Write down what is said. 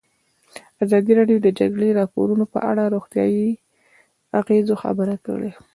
ازادي راډیو د د جګړې راپورونه په اړه د روغتیایي اغېزو خبره کړې.